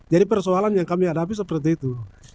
jadi persoalan yang kami hadapi seperti itu